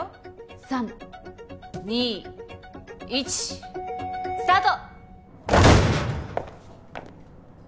３２１スタート